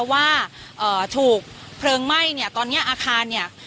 ว่าถูกเพลิงไหม้เนี่ยตอนเนี้ยอาคารเนี่ย